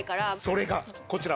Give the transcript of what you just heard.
それがこちら。